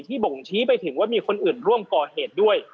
บ่งชี้ไปถึงว่ามีคนอื่นร่วมก่อเหตุด้วย